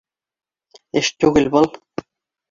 Эш түгел был